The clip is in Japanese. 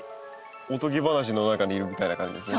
おとぎ話の中にいるみたいな感じですね。